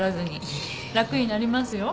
楽になりますよ。